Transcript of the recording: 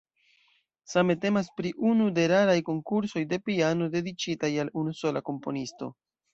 Same temas pri unu de raraj konkursoj de piano dediĉitaj al unusola komponisto.